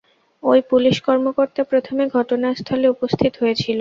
ওই পুলিশ কর্মকর্তা প্রথমে ঘটনাস্থলে উপস্থিত হয়েছিল।